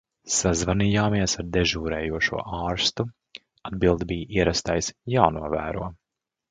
Sazvanījāmies ar dežūrējošo ārstu, atbilde bija ierastais "jānovēro".